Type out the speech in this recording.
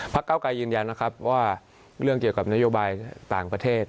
เก้าไกรยืนยันนะครับว่าเรื่องเกี่ยวกับนโยบายต่างประเทศ